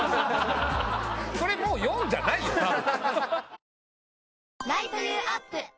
それもう４じゃないよたぶん。